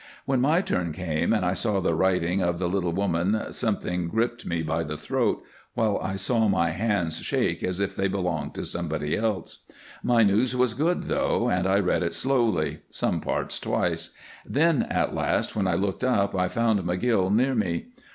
When my turn came and I saw the writing of the little woman something gripped me by the throat, while I saw my hands shake as if they belonged to somebody else. My news was good, though, and I read it slowly some parts twice then at last when I looked up I found McGill near me.